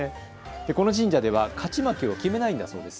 この神社では勝ち負けを決めないんだそうです。